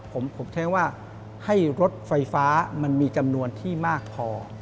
ผมใช้ว่าให้รถไฟฟ้ามันมีจำนวนที่มากพอ